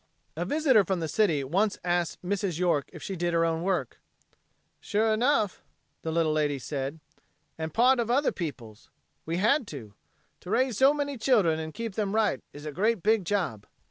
A visitor from the city once asked Mrs. York if she did her own work: "Sure enough," the little lady said, "and part of other people's. We had to. To raise so many children and keep them right is a great big job."